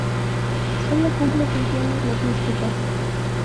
Sólo cumple funciones logísticas.